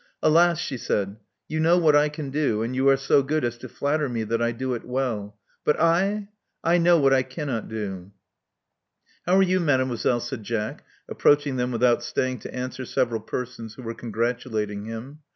'*Alas!" she said, *'you know what I can do; and you are so good as to flatter me that I do it well. But I ! I know what I cannot do." *'How are you. Mademoiselle?" said Jack, approach ing them without staying to answer several persons who were congratulating him.